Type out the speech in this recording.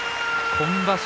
今場所